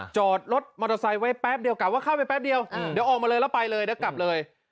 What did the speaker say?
จอดรถมอเตอร์ไซค์ไว้แป๊บเดียวกลับว่าเข้าไปแป๊บเดียวเดี๋ยวออกมาเลยแล้วไปเลยเดี๋ยวกลับเลย